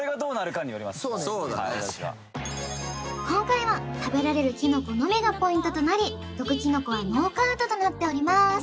今回は食べられるキノコのみがポイントとなり毒キノコはノーカウントとなっております